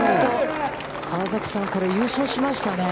川崎さん、優勝しましたね。